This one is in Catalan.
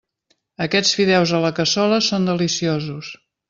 Aquests fideus a la cassola són deliciosos.